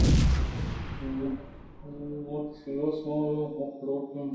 ءُ ما چہ شما اے ھک لوٹیں۔